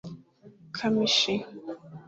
Kamichi